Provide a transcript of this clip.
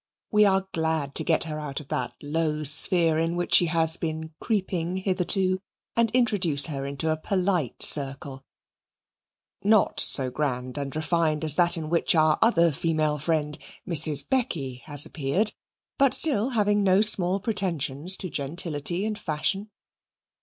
We are glad to get her out of that low sphere in which she has been creeping hitherto and introduce her into a polite circle not so grand and refined as that in which our other female friend, Mrs. Becky, has appeared, but still having no small pretensions to gentility and fashion.